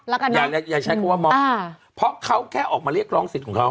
แล้วกันอย่าใช้คำว่ามอบเพราะเขาแค่ออกมาเรียกร้องสิทธิ์ของเขา